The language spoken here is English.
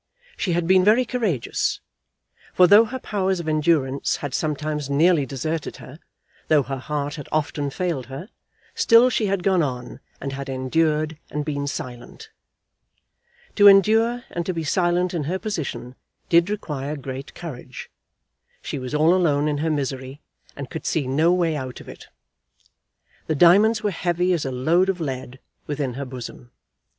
She had been very courageous; for, though her powers of endurance had sometimes nearly deserted her, though her heart had often failed her, still she had gone on and had endured and been silent. To endure and to be silent in her position did require great courage. She was all alone in her misery, and could see no way out of it. The diamonds were heavy as a load of lead within her bosom.